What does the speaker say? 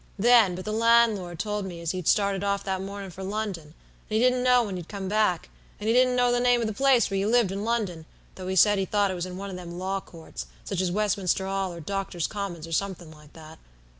then; but the landlord told me as you'd started off that mornin' for London, and he didn't know when you'd come back, and he didn't know the name o' the place where you lived in London, though he said he thought it was in one o' them law courts, such as Westminster Hall or Doctors' Commons, or somethin' like that.